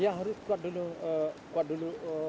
ya harus kuat dulu